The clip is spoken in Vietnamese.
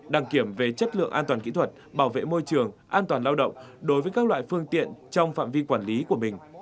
đăng kiểm về chất lượng an toàn kỹ thuật bảo vệ môi trường an toàn lao động đối với các loại phương tiện trong phạm vi quản lý của mình